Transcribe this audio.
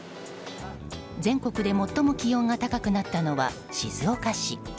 全国で最も気温が高くなったのは静岡市。